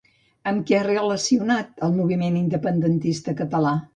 Amb què ha relacionat el moviment independentista català?